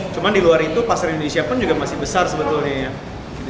cuma di luar itu pasar indonesia pun juga masih besar sebetulnya ya